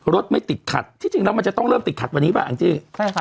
รถไม่ติดขัดที่จริงเรามันจะต้องเริ่มติดขัดวันนี้ปะอังจื้อ